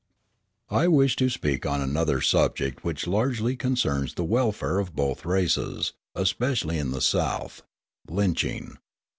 I wish to speak upon another subject which largely concerns the welfare of both races, especially in the South, lynching.